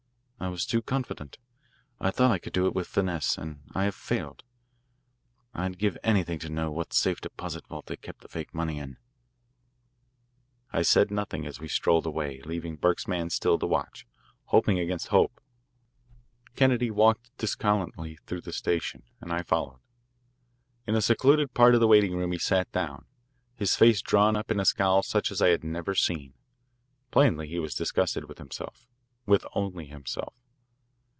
I was too confident. I thought I could do it with finesse, and I have failed. I'd give anything to know what safe deposit vault they kept the fake money in." I said nothing as we strolled away, leaving Burke's man still to watch, hoping against hope. Kennedy walked disconsolately through the station, and I followed. In a secluded part of the waiting room he sat down, his face drawn up in a scowl such as I had never seen. Plainly he was disgusted with himself with only himself.